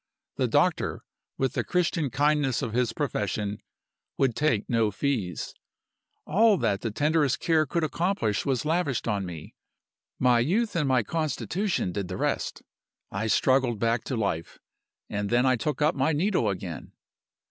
The doctor, with the Christian kindness of his profession, would take no fees. All that the tenderest care could accomplish was lavished on me; my youth and my constitution did the rest. I struggled back to life and then I took up my needle again.